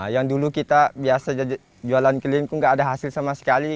yang dulu kita biasa jualan kelingku nggak ada hasil sama sekali